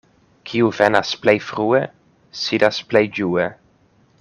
Kiu venas plej frue, sidas plej ĝue.